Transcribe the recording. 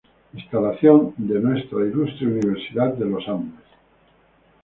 Instalación de nuestra ilustre Universidad de Los Andes.